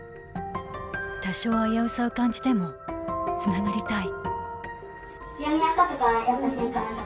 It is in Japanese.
多少危うさを感じても、つながりたい。